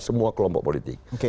semua kelompok politik